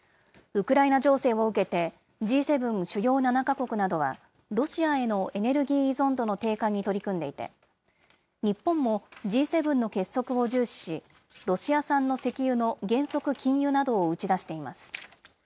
ウクライナ情勢を受けて、Ｇ７・主要７か国などは、ロシアへのエネルギー依存度の低下に取り組んでいて、日本もＧ７の結束を重視し、ロシア産の石油の原則禁輸などを打ち出しています。